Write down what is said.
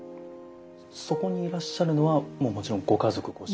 そこにいらっしゃるのはもちろんご家族ご親族。